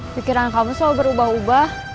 pikiran kamu selalu berubah ubah